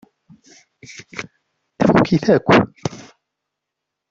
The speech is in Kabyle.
Tfukk-it akk.